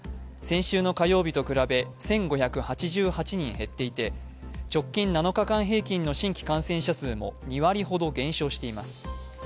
先週の火曜日と比べ、１５８８人減っていて直近７日間平均の新規感染者数も２割ほど減少しています。